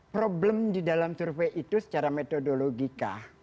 problem di dalam survei itu secara metodologika